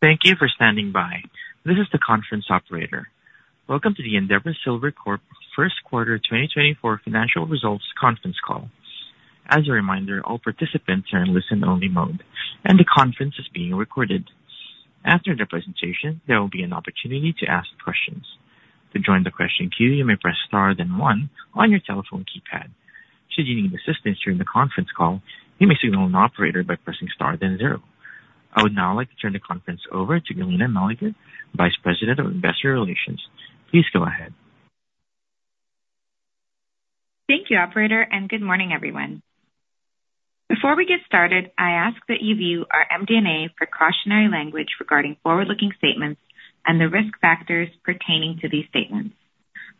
Thank you for standing by. This is the conference operator. Welcome to the Endeavour Silver Corp first quarter 2024 financial results conference call. As a reminder, all participants are in listen-only mode, and the conference is being recorded. After the presentation, there will be an opportunity to ask questions. To join the question queue, you may press star then one on your telephone keypad. Should you need assistance during the conference call, you may signal an operator by pressing star then zero. I would now like to turn the conference over to Galina Meleger, Vice President of Investor Relations. Please go ahead. Thank you, operator, and good morning, everyone. Before we get started, I ask that you view our MD&A precautionary language regarding forward-looking statements and the risk factors pertaining to these statements.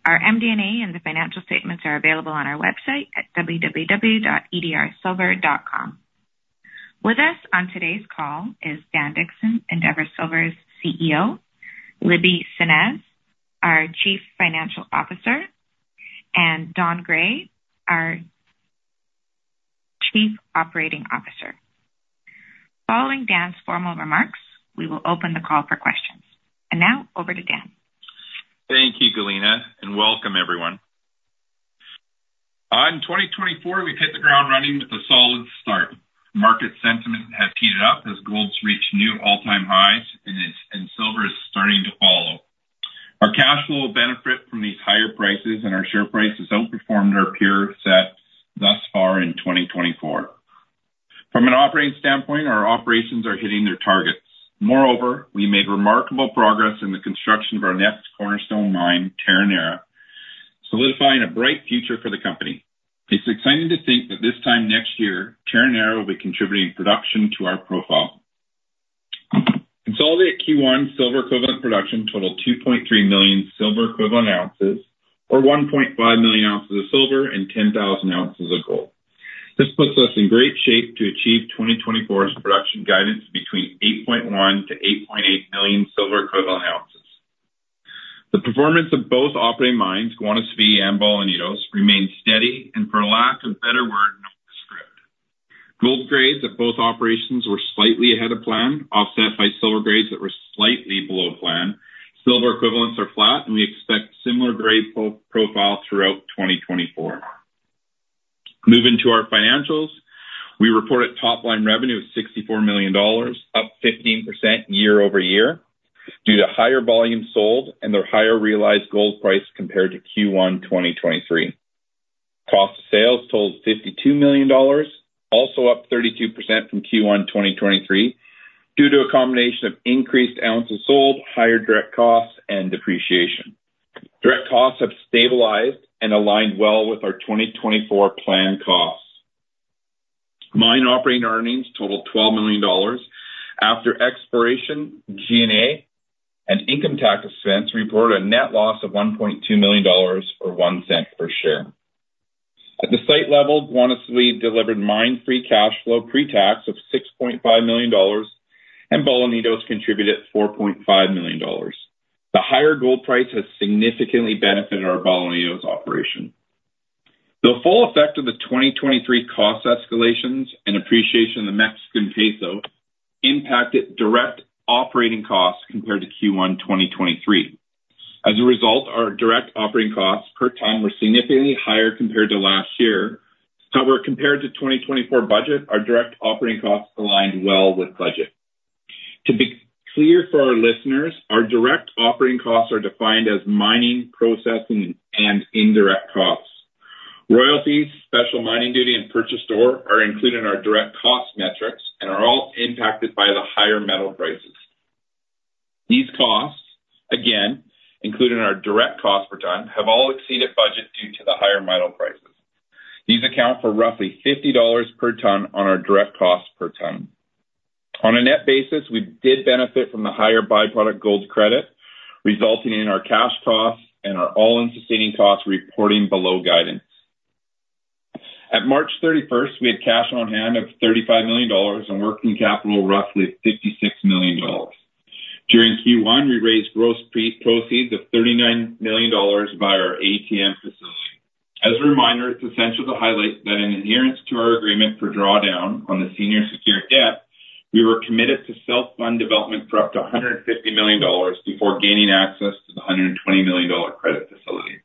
Our MD&A and the financial statements are available on our website at www.edrsilver.com. With us on today's call is Dan Dickson, Endeavour Silver's CEO, Libby Senez, our Chief Financial Officer, and Don Gray, our Chief Operating Officer. Following Dan's formal remarks, we will open the call for questions. Now over to Dan. Thank you, Galina, and welcome, everyone. In 2024, we've hit the ground running with a solid start. Market sentiment has heated up as gold's reached new all-time highs, and silver is starting to follow. Our cash flow will benefit from these higher prices, and our share prices outperformed our peer set thus far in 2024. From an operating standpoint, our operations are hitting their targets. Moreover, we made remarkable progress in the construction of our next cornerstone mine, Terronera, solidifying a bright future for the company. It's exciting to think that this time next year, Terronera will be contributing production to our profile. Consolidated Q1 silver equivalent production totaled 2.3 million silver equivalent ounces, or 1.5 million ounces of silver and 10,000 ounces of gold. This puts us in great shape to achieve 2024's production guidance between 8.1-8.8 million silver equivalent ounces. The performance of both operating mines, Guanaceví and Bolañitos, remains steady and, for lack of a better word, note the script. Gold grades at both operations were slightly ahead of plan, offset by silver grades that were slightly below plan. Silver equivalents are flat, and we expect similar grade profile throughout 2024. Moving to our financials, we report a top-line revenue of $64 million, up 15% year-over-year due to higher volume sold and the higher realized gold price compared to Q1 2023. Cost of sales totaled $52 million, also up 32% from Q1 2023 due to a combination of increased ounces sold, higher direct costs, and depreciation. Direct costs have stabilized and aligned well with our 2024 planned costs. Mine operating earnings totaled $12 million. After exploration, G&A and income tax expense reported a net loss of $1.2 million, or $0.01 per share. At the site level, Guanaceví delivered mine free cash flow pre-tax of $6.5 million, and Bolañitos contributed $4.5 million. The higher gold price has significantly benefited our Bolañitos operation. The full effect of the 2023 cost escalations and appreciation of the Mexican peso impacted direct operating costs compared to Q1 2023. As a result, our direct operating costs per ton were significantly higher compared to last year. However, compared to 2024 budget, our direct operating costs aligned well with budget. To be clear for our listeners, our direct operating costs are defined as mining, processing, and indirect costs. Royalties, special mining duty, and purchase doré are included in our direct cost metrics and are all impacted by the higher metal prices. These costs, again, including our direct cost per ton, have all exceeded budget due to the higher metal prices. These account for roughly $50 per ton on our direct cost per ton. On a net basis, we did benefit from the higher byproduct gold credit, resulting in our cash costs and our all-in sustaining costs reporting below guidance. At March 31st, we had cash on hand of $35 million and working capital roughly $56 million. During Q1, we raised gross proceeds of $39 million via our ATM facility. As a reminder, it's essential to highlight that in adherence to our agreement for drawdown on the senior secured debt, we were committed to self-fund development for up to $150 million before gaining access to the $120 million credit facility.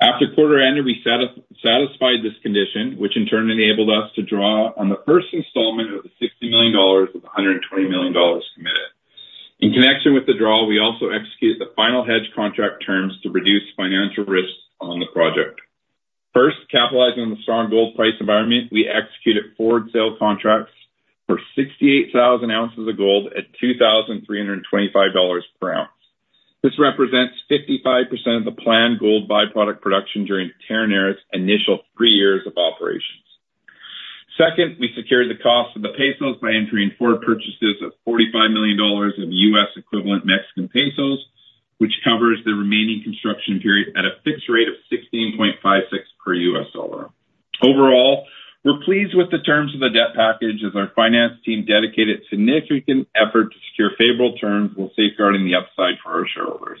After quarter ended, we satisfied this condition, which in turn enabled us to draw on the first installment of the $60 million of the $120 million committed. In connection with the draw, we also executed the final hedge contract terms to reduce financial risks on the project. First, capitalizing on the strong gold price environment, we executed forward sale contracts for 68,000 ounces of gold at $2,325 per ounce. This represents 55% of the planned gold byproduct production during Terronera's initial three years of operations. Second, we secured the cost of the pesos by entering forward purchases of $45 million of U.S. equivalent Mexican pesos, which covers the remaining construction period at a fixed rate of 16.56 per U.S. dollar. Overall, we're pleased with the terms of the debt package as our finance team dedicated significant effort to secure favorable terms while safeguarding the upside for our shareholders.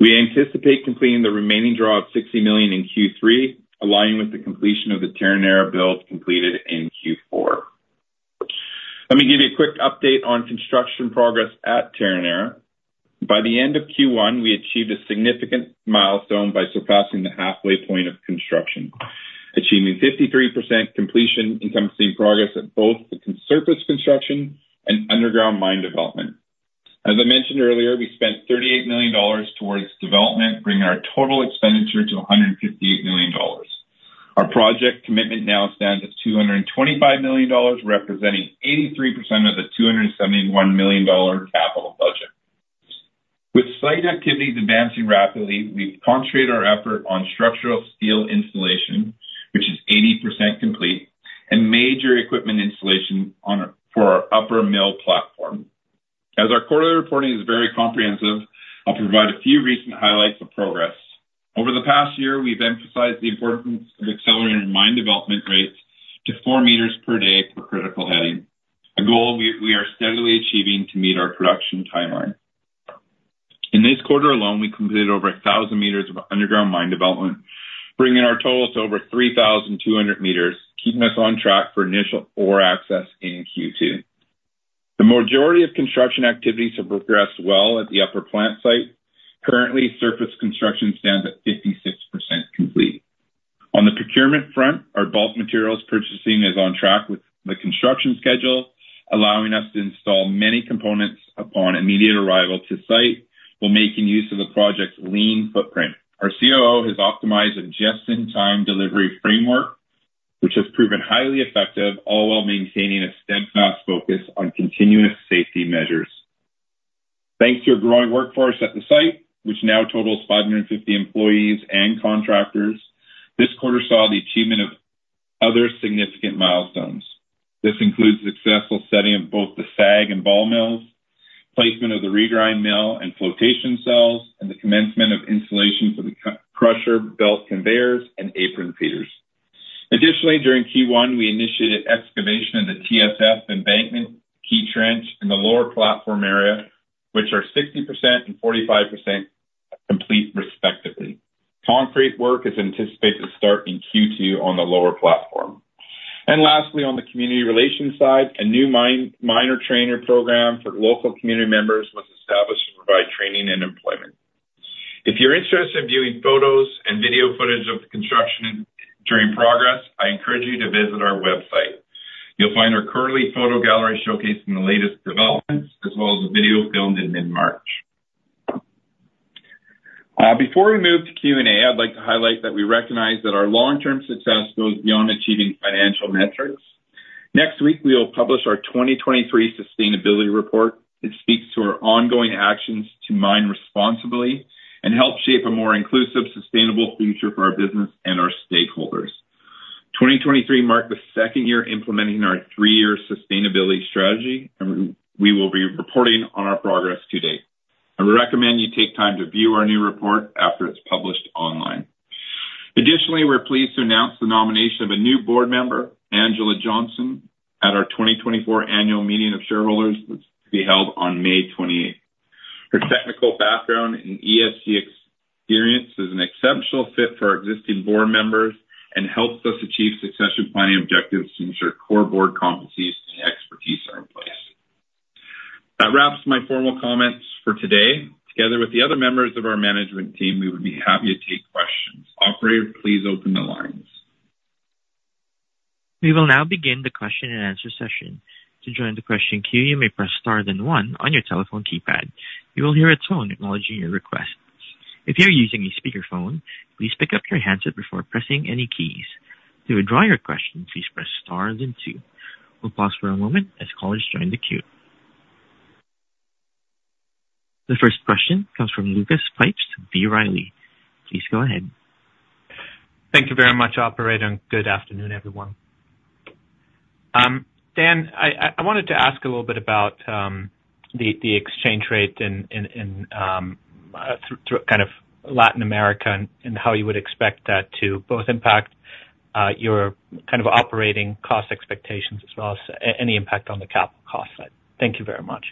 We anticipate completing the remaining draw of $60 million in Q3, aligning with the completion of the Terronera build completed in Q4. Let me give you a quick update on construction progress at Terronera. By the end of Q1, we achieved a significant milestone by surpassing the halfway point of construction, achieving 53% completion encompassing progress at both the surface construction and underground mine development. As I mentioned earlier, we spent $38 million towards development, bringing our total expenditure to $158 million. Our project commitment now stands at $225 million, representing 83% of the $271 million capital budget. With site activities advancing rapidly, we've concentrated our effort on structural steel installation, which is 80% complete, and major equipment installation for our upper mill platform. As our quarterly reporting is very comprehensive, I'll provide a few recent highlights of progress. Over the past year, we've emphasized the importance of accelerating mine development rates to four meters per day per critical heading, a goal we are steadily achieving to meet our production timeline. In this quarter alone, we completed over 1,000 meters of underground mine development, bringing our total to over 3,200 meters, keeping us on track for initial ore access in Q2. The majority of construction activities have progressed well at the upper plant site. Currently, surface construction stands at 56% complete. On the procurement front, our bulk materials purchasing is on track with the construction schedule, allowing us to install many components upon immediate arrival to site while making use of the project's lean footprint. Our COO has optimized a just-in-time delivery framework, which has proven highly effective, all while maintaining a steadfast focus on continuous safety measures. Thanks to our growing workforce at the site, which now totals 550 employees and contractors, this quarter saw the achievement of other significant milestones. This includes successful setting of both the SAG and ball mills, placement of the regrind mill and flotation cells, and the commencement of installation for the crusher belt conveyors and apron feeders. Additionally, during Q1, we initiated excavation of the TSF embankment key trench in the lower platform area, which are 60% and 45% complete, respectively. Concrete work is anticipated to start in Q2 on the lower platform. And lastly, on the community relations side, a new miner training program for local community members was established to provide training and employment. If you're interested in viewing photos and video footage of the construction during progress, I encourage you to visit our website. You'll find our quarterly photo gallery showcasing the latest developments, as well as a video filmed in mid-March. Before we move to Q&A, I'd like to highlight that we recognize that our long-term success goes beyond achieving financial metrics. Next week, we will publish our 2023 sustainability report. It speaks to our ongoing actions to mine responsibly and help shape a more inclusive, sustainable future for our business and our stakeholders. 2023 marked the second year implementing our three-year sustainability strategy, and we will be reporting on our progress to date. I recommend you take time to view our new report after it's published online. Additionally, we're pleased to announce the nomination of a new board member, Angela Johnson, at our 2024 annual meeting of shareholders that's to be held on May 28th. Her technical background and ESG experience is an exceptional fit for our existing board members and helps us achieve succession planning objectives to ensure core board competencies and expertise are in place. That wraps my formal comments for today. Together with the other members of our management team, we would be happy to take questions. Operator, please open the lines. We will now begin the question-and-answer session. To join the question queue, you may press star then one on your telephone keypad. You will hear a tone acknowledging your request. If you're using a speakerphone, please pick up your handset before pressing any keys. To withdraw your question, please press star then two. We'll pause for a moment as callers join the queue. The first question comes from Lucas Pipes with B. Riley. Please go ahead. Thank you very much, operator, and good afternoon, everyone. Dan, I wanted to ask a little bit about the exchange rate kind of Latin America and how you would expect that to both impact your kind of operating cost expectations as well as any impact on the capital cost side? Thank you very much.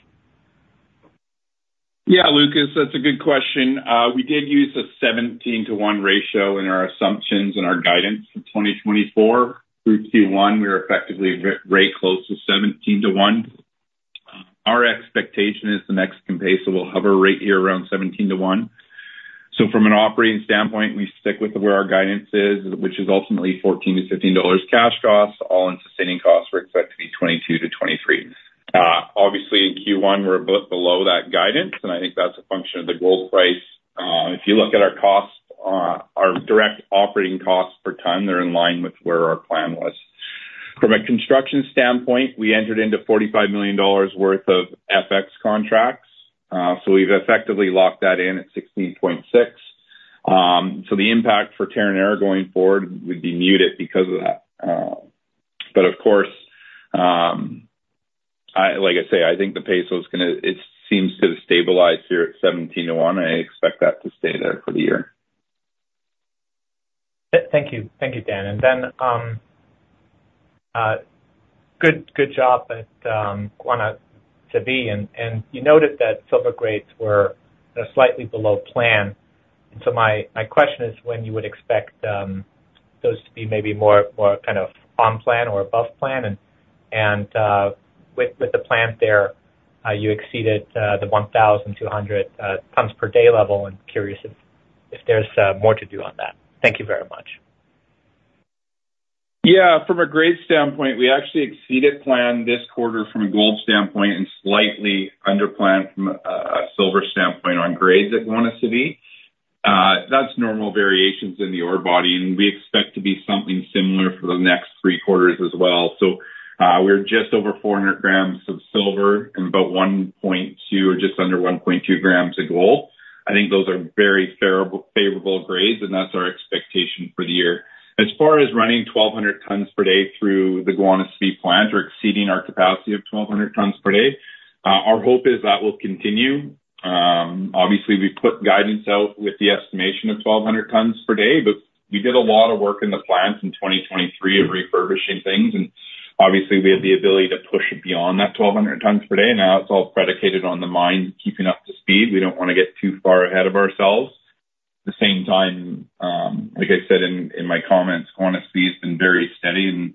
Yeah, Lucas, that's a good question. We did use a 17:1 ratio in our assumptions and our guidance for 2024. Through Q1, we were effectively rate close to 17:1. Our expectation is the Mexican peso will hover rate here around 17:1. So from an operating standpoint, we stick with where our guidance is, which is ultimately $14-$15 cash costs. All-in sustaining costs were expected to be $22-$23. Obviously, in Q1, we're below that guidance, and I think that's a function of the gold price. If you look at our direct operating costs per ton, they're in line with where our plan was. From a construction standpoint, we entered into $45 million worth of FX contracts. So we've effectively locked that in at 16.6. So the impact for Terronera going forward would be muted because of that. Of course, like I say, I think the peso seems to have stabilized here at 17:1. I expect that to stay there for the year. Thank you. Thank you, Dan. And Dan, good job at Guanaceví. And you noted that silver grades were slightly below plan. And so my question is when you would expect those to be maybe more kind of on plan or above plan? And with the plan there, you exceeded the 1,200 tons per day level. I'm curious if there's more to do on that. Thank you very much. Yeah. From a grade standpoint, we actually exceeded plan this quarter from a gold standpoint and slightly under plan from a silver standpoint on grades at Guanaceví. That's normal variations in the ore body, and we expect to be something similar for the next three quarters as well. So we're just over 400 g of silver and about 1.2 or just under 1.2 g of gold. I think those are very favorable grades, and that's our expectation for the year. As far as running 1,200 tons per day through the Guanaceví plant or exceeding our capacity of 1,200 tons per day, our hope is that will continue. Obviously, we put guidance out with the estimation of 1,200 tons per day, but we did a lot of work in the plant in 2023 of refurbishing things. And obviously, we had the ability to push beyond that 1,200 tons per day. Now, it's all predicated on the mine keeping up to speed. We don't want to get too far ahead of ourselves. At the same time, like I said in my comments, Guanaceví has been very steady, and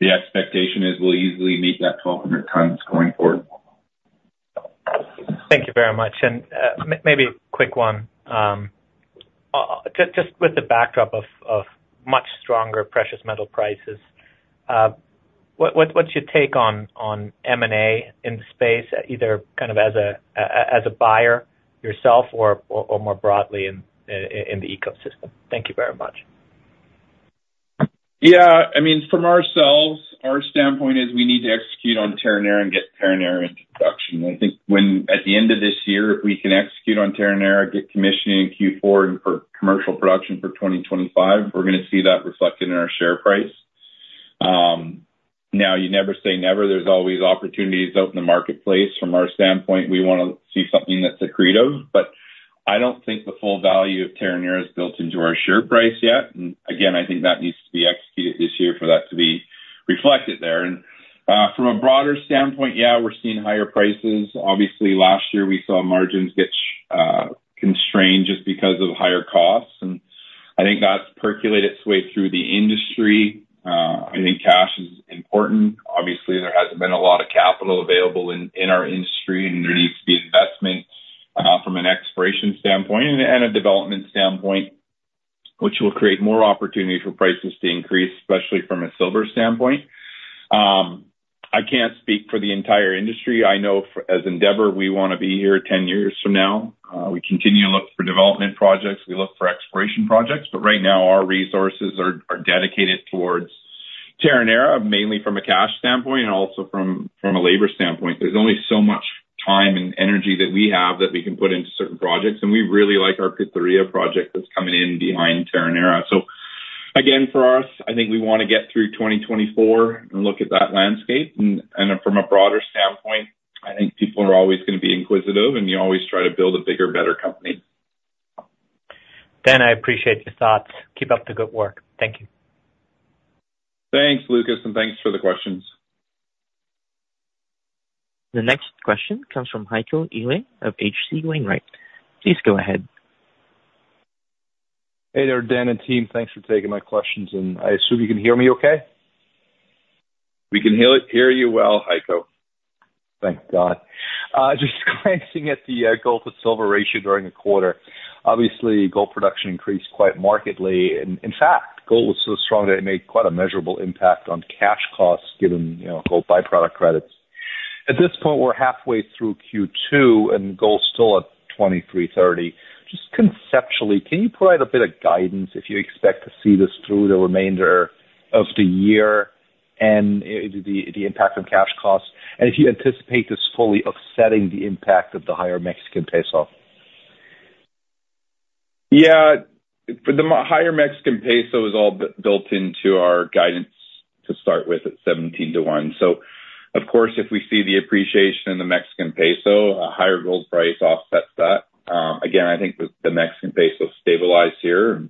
the expectation is we'll easily meet that 1,200 tons going forward. Thank you very much. Maybe a quick one. Just with the backdrop of much stronger precious metal prices, what's your take on M&A in the space, either kind of as a buyer yourself or more broadly in the ecosystem? Thank you very much. Yeah. I mean, from ourselves, our standpoint is we need to execute on Terronera and get Terronera into production. I think at the end of this year, if we can execute on Terronera, get commissioning in Q4 and commercial production for 2025, we're going to see that reflected in our share price. Now, you never say never. There's always opportunities out in the marketplace. From our standpoint, we want to see something that's accretive. But I don't think the full value of Terronera is built into our share price yet. And again, I think that needs to be executed this year for that to be reflected there. And from a broader standpoint, yeah, we're seeing higher prices. Obviously, last year, we saw margins get constrained just because of higher costs. And I think that's percolated its way through the industry. I think cash is important. Obviously, there hasn't been a lot of capital available in our industry, and there needs to be investment from an exploration standpoint and a development standpoint, which will create more opportunity for prices to increase, especially from a silver standpoint. I can't speak for the entire industry. I know as Endeavour, we want to be here 10 years from now. We continue to look for development projects. We look for exploration projects. But right now, our resources are dedicated towards Terronera, mainly from a cash standpoint and also from a labor standpoint. There's only so much time and energy that we have that we can put into certain projects. We really like our Pitarrilla project that's coming in behind Terronera. Again, for us, I think we want to get through 2024 and look at that landscape. From a broader standpoint, I think people are always going to be inquisitive, and you always try to build a bigger, better company. Dan, I appreciate your thoughts. Keep up the good work. Thank you. Thanks, Lucas, and thanks for the questions. The next question comes from Heiko Ihle of H.C. Wainwright. Please go ahead. Hey there, Dan and team. Thanks for taking my questions. I assume you can hear me okay? We can hear you well, Heiko. Thank God. Just glancing at the gold to silver ratio during the quarter, obviously, gold production increased quite markedly. In fact, gold was so strong that it made quite a measurable impact on cash costs given gold byproduct credits. At this point, we're halfway through Q2, and gold's still at $2,330. Just conceptually, can you provide a bit of guidance if you expect to see this through the remainder of the year and the impact on cash costs? And if you anticipate this fully offsetting the impact of the higher Mexican peso? Yeah. The higher Mexican peso is all built into our guidance to start with at 17:1. So of course, if we see the appreciation in the Mexican peso, a higher gold price offsets that. Again, I think the Mexican peso stabilized here.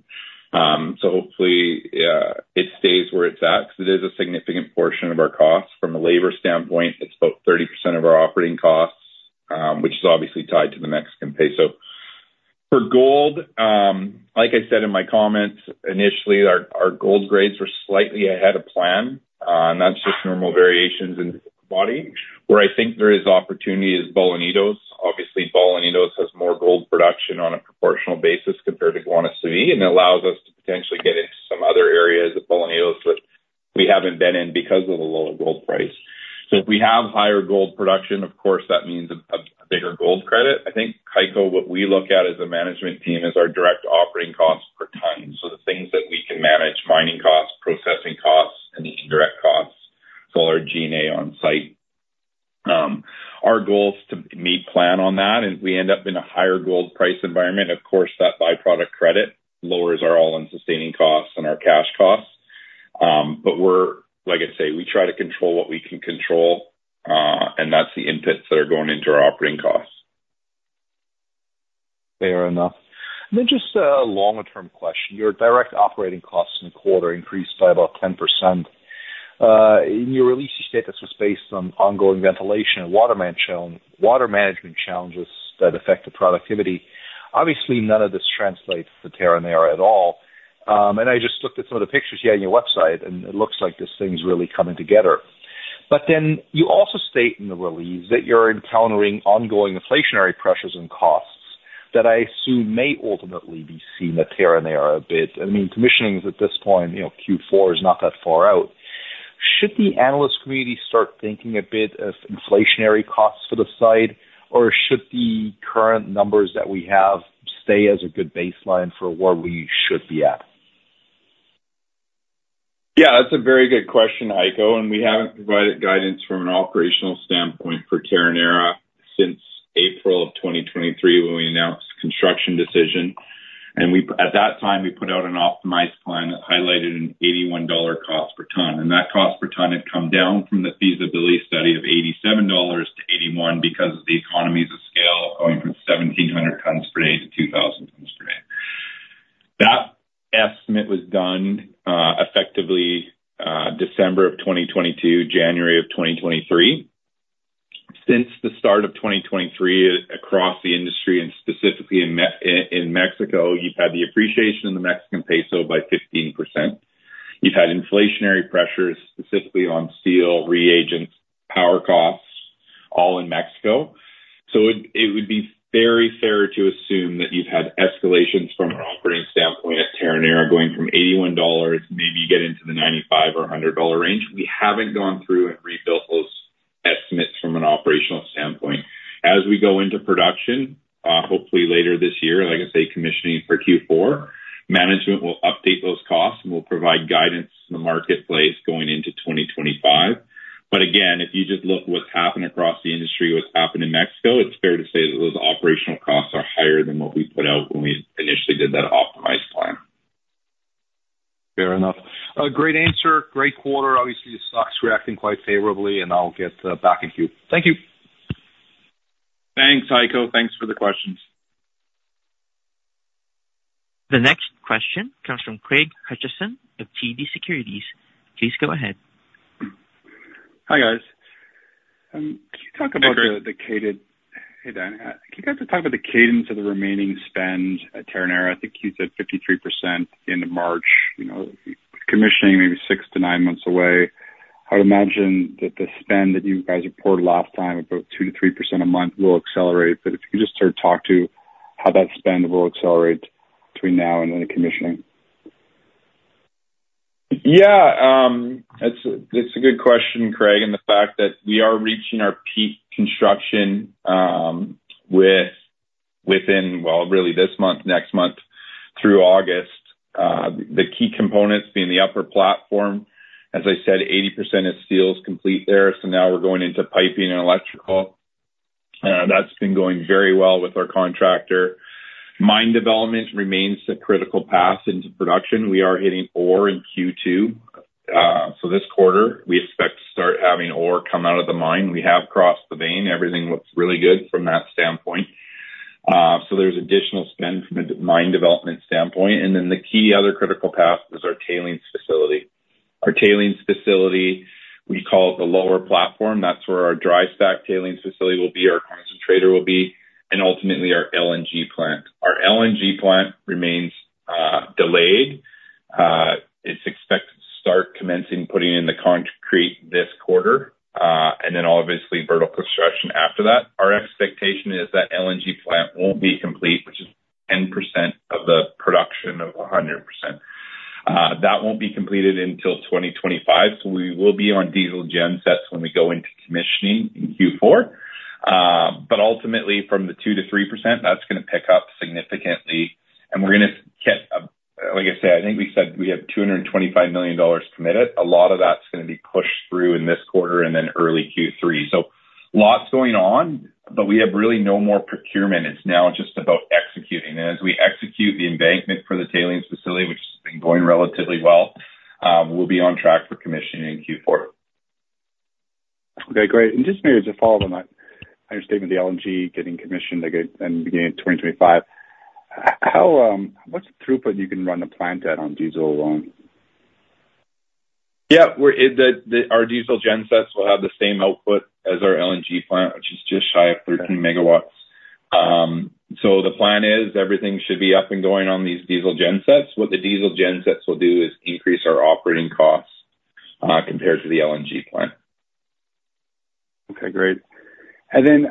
Hopefully, it stays where it's at because it is a significant portion of our costs. From a labor standpoint, it's about 30% of our operating costs, which is obviously tied to the Mexican peso. For gold, like I said in my comments, initially, our gold grades were slightly ahead of plan. That's just normal variations in the body. Where I think there is opportunity is Bolañitos. Obviously, Bolañitos has more gold production on a proportional basis compared to Guanaceví, and it allows us to potentially get into some other areas of Bolañitos that we haven't been in because of the lower gold price. If we have higher gold production, of course, that means a bigger gold credit. I think, Heiko, what we look at as a management team is our direct operating costs per ton. So the things that we can manage, mining costs, processing costs, and the indirect costs, so all our G&A on site. Our goal is to meet plan on that. And if we end up in a higher gold price environment, of course, that byproduct credit lowers our all-in sustaining costs and our cash costs. But like I say, we try to control what we can control, and that's the inputs that are going into our operating costs. Fair enough. And then just a longer-term question. Your direct operating costs in the quarter increased by about 10%. In your release, you said this was based on ongoing ventilation and water management challenges that affect the productivity. Obviously, none of this translates to Terronera at all. And I just looked at some of the pictures you had on your website, and it looks like this thing's really coming together. But then you also state in the release that you're encountering ongoing inflationary pressures and costs that I assume may ultimately be seen at Terronera a bit. I mean, commissioning is at this point Q4 is not that far out. Should the analyst community start thinking a bit of inflationary costs for the site, or should the current numbers that we have stay as a good baseline for where we should be at? Yeah. That's a very good question, Heiko. And we haven't provided guidance from an operational standpoint for Terronera since April of 2023 when we announced the construction decision. And at that time, we put out an optimized plan that highlighted an $81 cost per ton. And that cost per ton had come down from the feasibility study of $87-$81 because of the economies of scale going from 1,700-2,000 tons per day. That estimate was done effectively December of 2022, January of 2023. Since the start of 2023 across the industry and specifically in Mexico, you've had the appreciation in the Mexican peso by 15%. You've had inflationary pressures specifically on steel, reagents, power costs, all in Mexico. So it would be very fair to assume that you've had escalations from an operating standpoint at Terronera going from $81, maybe get into the $95 or $100 range. We haven't gone through and rebuilt those estimates from an operational standpoint. As we go into production, hopefully later this year, like I say, commissioning for Q4, management will update those costs and will provide guidance in the marketplace going into 2025. But again, if you just look at what's happened across the industry, what's happened in Mexico, it's fair to say that those operational costs are higher than what we put out when we initially did that optimized plan. Fair enough. Great answer. Great quarter. Obviously, the stock's reacting quite favorably, and I'll get back in queue. Thank you. Thanks, Heiko. Thanks for the questions. The next question comes from Craig Hutchison of TD Securities. Please go ahead. Hi, guys. Can you talk about the cadence? Hey, Craig. Hey, Dan. Can you guys talk about the cadence of the remaining spend at Terronera? I think you said 53% at the end of March, commissioning maybe 6-9 months away. I would imagine that the spend that you guys reported last time of about 2%-3% a month will accelerate. But if you could just sort of talk to how that spend will accelerate between now and then commissioning. Yeah. It's a good question, Craig, in the fact that we are reaching our peak construction within, well, really this month, next month, through August. The key components being the upper platform, as I said, 80% of steel's complete there. So now we're going into piping and electrical. That's been going very well with our contractor. Mine development remains a critical path into production. We are hitting ore in Q2. So this quarter, we expect to start having ore come out of the mine. We have crossed the vein. Everything looks really good from that standpoint. So there's additional spend from a mine development standpoint. And then the key other critical path is our tailings facility. Our tailings facility, we call it the lower platform. That's where our dry stack tailings facility will be, our concentrator will be, and ultimately our LNG plant. Our LNG plant remains delayed. It's expected to start commencing putting in the concrete this quarter and then obviously vertical construction after that. Our expectation is that LNG plant won't be complete, which is 10% of the production of 100%. That won't be completed until 2025. So we will be on diesel gensets when we go into commissioning in Q4. But ultimately, from the 2%-3%, that's going to pick up significantly. And we're going to get a like I said, I think we said we have $225 million committed. A lot of that's going to be pushed through in this quarter and then early Q3. So lots going on, but we have really no more procurement. It's now just about executing. And as we execute the embankment for the tailings facility, which has been going relatively well, we'll be on track for commissioning in Q4. Okay. Great. And just maybe as a follow-up on that, I understand with the LNG getting commissioned and beginning in 2025, what's the throughput you can run the plant at on diesel alone? Yeah. Our diesel gensets will have the same output as our LNG plant, which is just shy of 13 megawatts. So the plan is everything should be up and going on these diesel gensets. What the diesel gensets will do is increase our operating costs compared to the LNG plant. Okay. Great. And then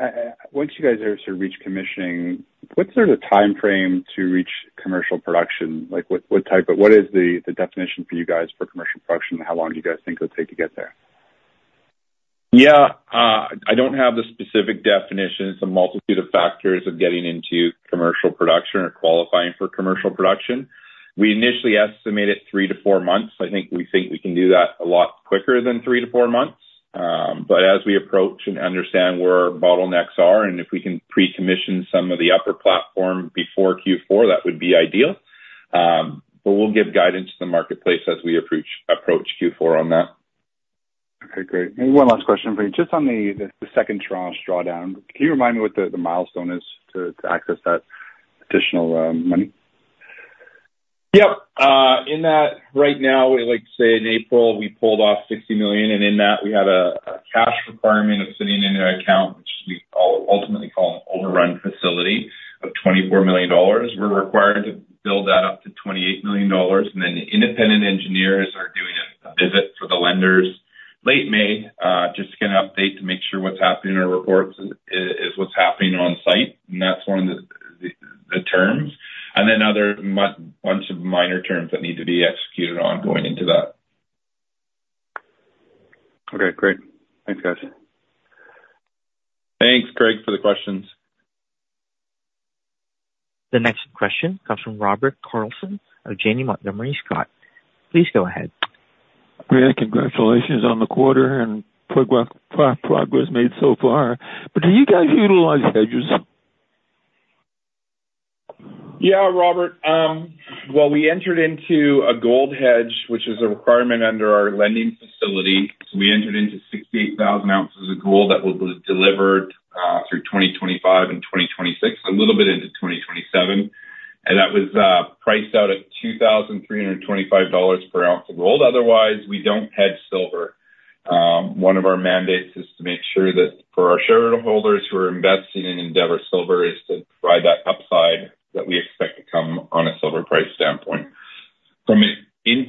once you guys are sort of reaching commissioning, what's sort of the timeframe to reach commercial production? What type of what is the definition for you guys for commercial production and how long do you guys think it'll take to get there? Yeah. I don't have the specific definition. It's a multitude of factors of getting into commercial production or qualifying for commercial production. We initially estimated 3-4 months. I think we think we can do that a lot quicker than 3-4 months. But as we approach and understand where our bottlenecks are and if we can pre-commission some of the upper platform before Q4, that would be ideal. But we'll give guidance to the marketplace as we approach Q4 on that. Okay. Great. Maybe one last question for you. Just on the second drawdown, can you remind me what the milestone is to access that additional money? Yep. In that, right now, like I say, in April, we pulled off $60 million. And in that, we had a cash requirement of sitting in an account, which we ultimately call an overrun facility of $24 million. We're required to build that up to $28 million. And then the independent engineers are doing a visit for the lenders late May just to get an update to make sure what's happening in our reports is what's happening on site. And that's one of the terms. And then other bunch of minor terms that need to be executed on going into that. Okay. Great. Thanks, guys. Thanks, Craig, for the questions. The next question comes from Robert Carlson of Janney Montgomery Scott. Please go ahead. Great. Congratulations on the quarter and quick progress made so far. But do you guys utilize hedges? Yeah, Robert. Well, we entered into a gold hedge, which is a requirement under our lending facility. So we entered into 68,000 ounces of gold that will be delivered through 2025 and 2026, a little bit into 2027. And that was priced out at $2,325 per ounce of gold. Otherwise, we don't hedge silver. One of our mandates is to make sure that for our shareholders who are investing in Endeavour Silver is to provide that upside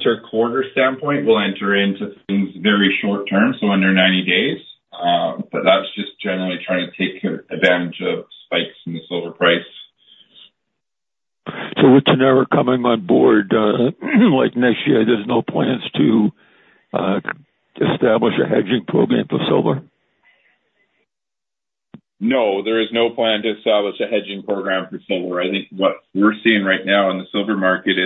that we expect to come on a silver price standpoint. From an interquarter standpoint, we'll enter into things very short-term, so under 90 days. But that's just generally trying to take advantage of spikes in the silver price. So with Endeavour coming on board like next year, there's no plans to establish a hedging program for silver? No. There is no plan to establish a hedging program for silver. I think what we're seeing right now in the silver market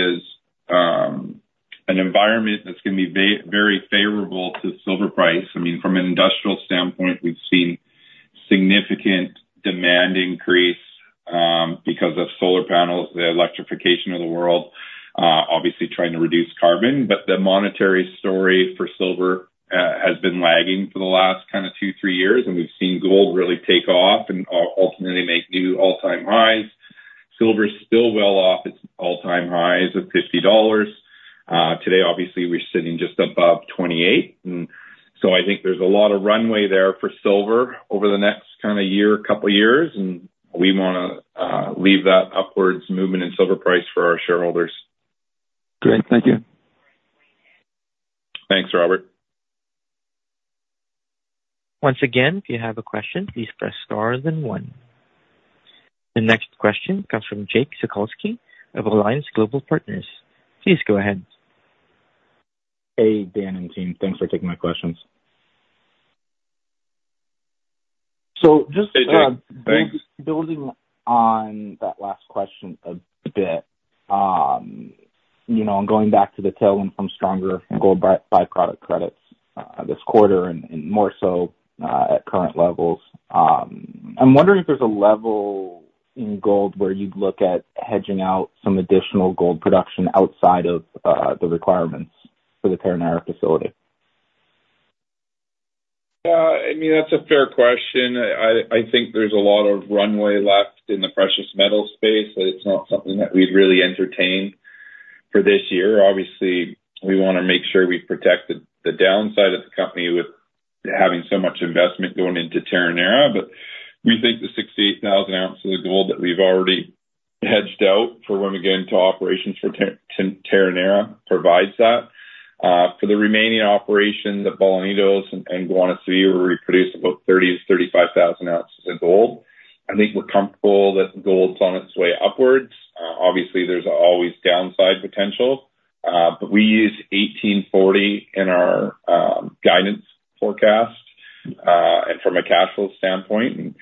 is an environment that's going to be very favorable to silver price. I mean, from an industrial standpoint, we've seen significant demand increase because of solar panels, the electrification of the world, obviously trying to reduce carbon. But the monetary story for silver has been lagging for the last kind of two, three years. And we've seen gold really take off and ultimately make new all-time highs. Silver's still well off its all-time highs of $50. Today, obviously, we're sitting just above $28. And so I think there's a lot of runway there for silver over the next kind of year, couple of years. And we want to leave that upwards movement in silver price for our shareholders. Great. Thank you. Thanks, Robert. Once again, if you have a question, please press star and then one. The next question comes from Jake Sekelsky of Alliance Global Partners. Please go ahead. Hey, Dan and team. Thanks for taking my questions. So just building on that last question a bit and going back to the tailwind from stronger gold byproduct credits this quarter and more so at current levels, I'm wondering if there's a level in gold where you'd look at hedging out some additional gold production outside of the requirements for the Terronera facility? Yeah. I mean, that's a fair question. I think there's a lot of runway left in the precious metals space. It's not something that we'd really entertain for this year. Obviously, we want to make sure we protect the downside of the company with having so much investment going into Terronera. But we think the 68,000 ounces of gold that we've already hedged out for when we get into operations for Terronera provides that. For the remaining operation, the Bolañitos and Guanaceví were to reproduce about 30,000-35,000 ounces of gold. I think we're comfortable that gold's on its way upwards. Obviously, there's always downside potential. But we use $1,840 in our guidance forecast and from a cash flow standpoint. And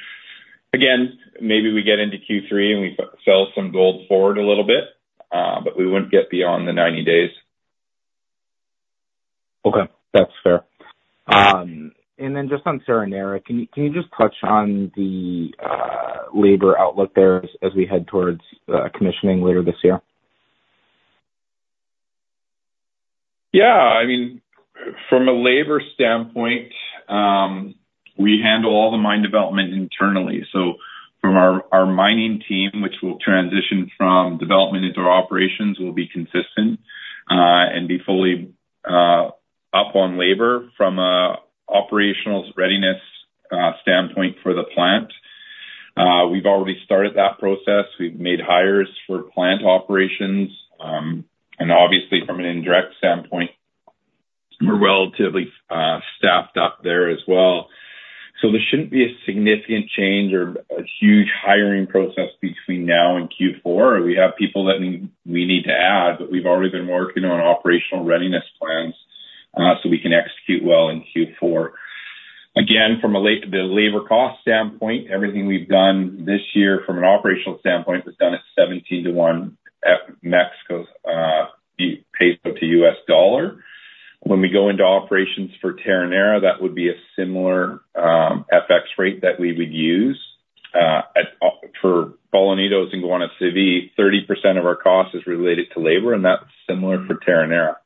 again, maybe we get into Q3 and we sell some gold forward a little bit, but we wouldn't get beyond the 90 days. Okay. That's fair. And then just on Terronera, can you just touch on the labor outlook there as we head towards commissioning later this year? Yeah. I mean, from a labor standpoint, we handle all the mine development internally. So from our mining team, which will transition from development into operations, will be consistent and be fully up on labor from an operational readiness standpoint for the plant. We've already started that process. We've made hires for plant operations. And obviously, from an indirect standpoint, we're relatively staffed up there as well. So there shouldn't be a significant change or a huge hiring process between now and Q4. We have people that we need to add, but we've already been working on operational readiness plans so we can execute well in Q4. Again, from the labor cost standpoint, everything we've done this year from an operational standpoint was done at 17 to 1 peso to U.S. dollar. When we go into operations for Terronera, that would be a similar FX rate that we would use. For Bolañitos and Guanaceví, 30% of our cost is related to labor, and that's similar for Terronera.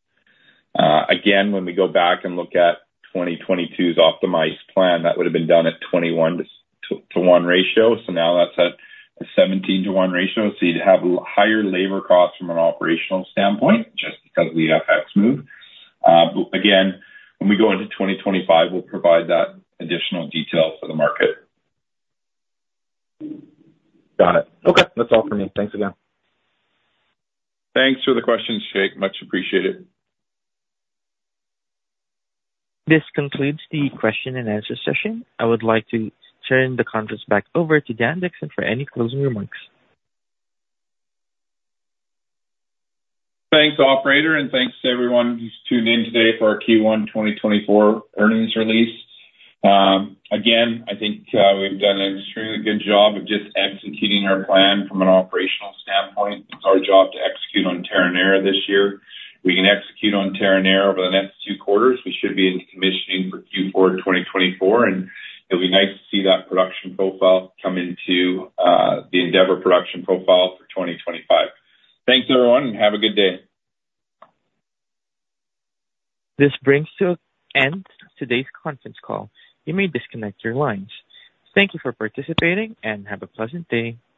Again, when we go back and look at 2022's optimized plan, that would have been done at a 21-to-1 ratio. So now that's at a 17-to-1 ratio. So you'd have higher labor costs from an operational standpoint just because of the FX move. But again, when we go into 2025, we'll provide that additional detail for the market. Got it. Okay. That's all from me. Thanks again. Thanks for the questions, Jake. Much appreciated. This concludes the question-and-answer session. I would like to turn the conference back over to Dan Dickson for any closing remarks. Thanks, operator, and thanks to everyone who's tuned in today for our Q1 2024 earnings release. Again, I think we've done an extremely good job of just executing our plan from an operational standpoint. It's our job to execute on Terronera this year. If we can execute on Terronera over the next two quarters, we should be into commissioning for Q4 2024. And it'll be nice to see that production profile come into the Endeavour production profile for 2025. Thanks, everyone, and have a good day. This brings to an end today's conference call. You may disconnect your lines. Thank you for participating and have a pleasant day.